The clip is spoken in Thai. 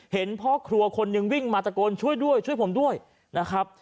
เห็นพ่อครัวคนหนึ่งวิ่งมาตะโกนช่วยด้วยช่วยผมด้วยนะครับ